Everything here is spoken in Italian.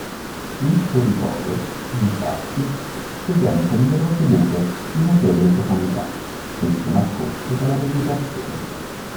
Il territorio, infatti, presenta numerose buche di notevole profondità, spesso nascoste dalla vegetazione.